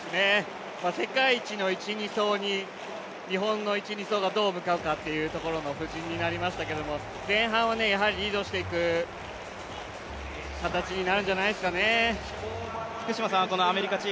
世界一の１、２走に日本の１、２走がどう向かうかというところの布陣になりましたけども前半はやはりリードしていく形になるんじゃないですかね。